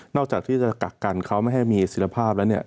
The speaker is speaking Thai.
นอกจากที่จะกักกันเขาไม่ให้มีศิลภาพแล้ว